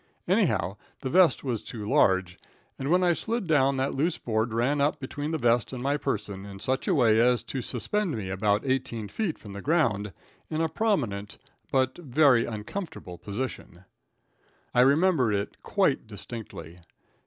Anyhow the vest was too large, and when I slid down that loose board ran up between the vest and my person in such a way as to suspend me about eighteen feet from the ground, in a prominent but very uncomfortable position. I remember it quite distinctly.